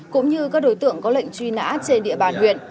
cũng như các đối tượng có lệnh truy nã trên địa bàn huyện